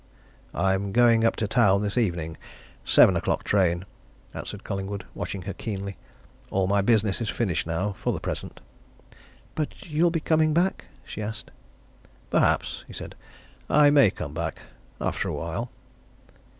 "I'm going up to town this evening seven o'clock train," answered Collingwood, watching her keenly. "All my business is finished now for the present." "But you'll be coming back?" she asked. "Perhaps," he said. "I may come back after a while."